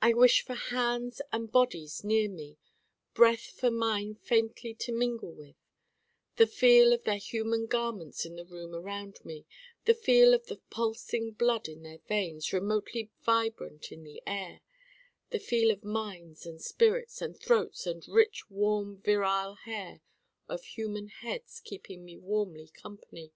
I wish for hands and bodies near me: breath for mine faintly to mingle with: the feel of their human garments in the room around me: the feel of the pulsing blood in their veins remotely vibrant in the air: the feel of minds and spirits and throats and rich warm virile hair of human heads keeping me warmly company.